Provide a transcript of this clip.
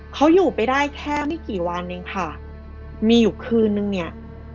เขาอยู่ไปได้แค่ไม่กี่วันเองค่ะมีอยู่คืนนึงเนี่ย